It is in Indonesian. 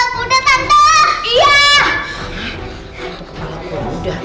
kita lihat hantu berkepala kuda tante